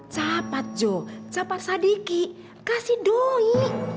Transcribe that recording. cepat jo cepat sadiki kasih doi